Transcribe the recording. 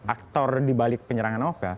aktor dibalik penyerangan oka